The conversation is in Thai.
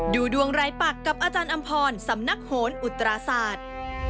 ดูดวงรายปักกับอาจารย์อำพรสำนักโหนอุตราศาสตร์